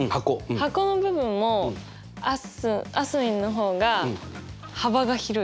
箱の部分もあすみんの方が幅が広い。